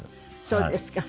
そうですか。